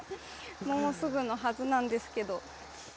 もうすぐのはずなんですけど。